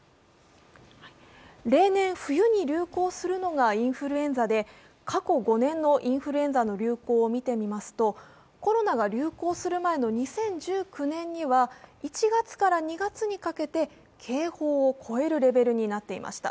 例年冬に流行するのがインフルエンザで、過去５年のインフルエンザの流行を見てみますとコロナが流行する前に２０１９年には１月から２月にかけて警報を超えるレベルになっていました。